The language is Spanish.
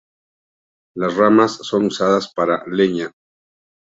Las ramas son usadas para leña.